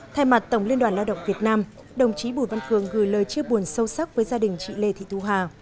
thay mặt tổng liên đoàn lao động việt nam đồng chí bùi văn cường gửi lời chia buồn sâu sắc với gia đình chị lê thị thu hà